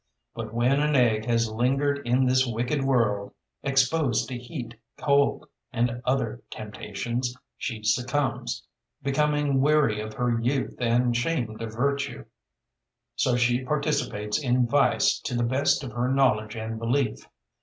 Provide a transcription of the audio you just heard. But when an egg has lingered in this wicked world, exposed to heat, cold, and other temptations, she succumbs, being weary of her youth and shamed of virtue. So she participates in vice to the best of her knowledge and belief.